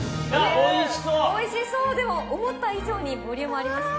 おいしそうでも思った以上にボリュームありますね。